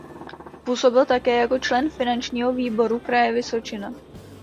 Působil také jako člen Finančního výboru Kraje Vysočina.